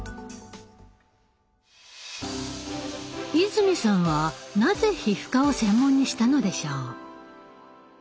泉さんはなぜ皮膚科を専門にしたのでしょう？